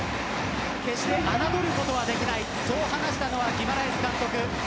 決して侮ることはできないそう話したのはギマラエス監督。